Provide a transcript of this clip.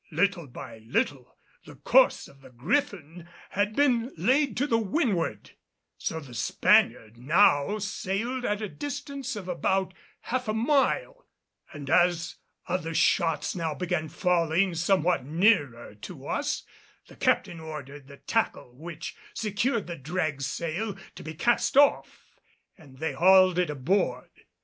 Little by little the course of the Griffin had been laid to the windward, so the Spaniard now sailed at a distance of about half a mile; and as other shots now began falling somewhat nearer to us, the captain ordered the tackle which secured the drag sail to be cast off, and they hauled it aboard.